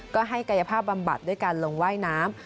ก็ให้กายภาพบำบัดด้วยการลงว่ายน้ำ